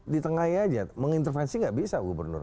ditengahin aja mengintervensi nggak bisa gubernur